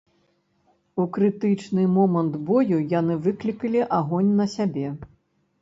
У крытычны момант бою яны выклікалі агонь на сябе.